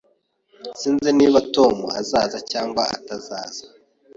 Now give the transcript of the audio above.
Sinzi niba Tom azaza cyangwa atazaza